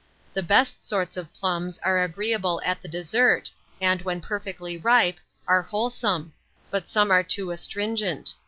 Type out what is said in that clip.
The best sorts of plums are agreeable at the dessert, and, when perfectly ripe, are wholesome; but some are too astringent.